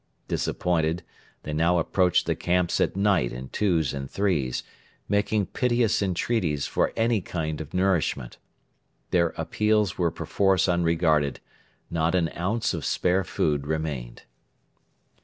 Disappointed, they now approached the camps at night in twos and threes, making piteous entreaties for any kind of nourishment. Their appeals were perforce unregarded; not an ounce of spare food remained.